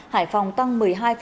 hải phòng tăng một mươi hai ba